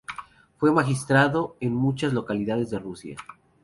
Fue magistrado en muchas localidades de Rusia.